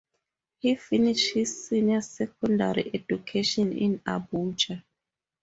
He finished his senior secondary education in Abuja.